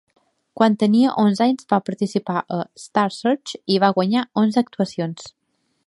Quan tenia onze anys va participar a "Star Search" i va guanyar onze actuacions.